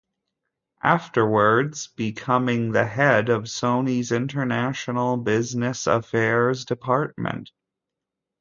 Afterwards, becoming the head of Sony's international business affairs department.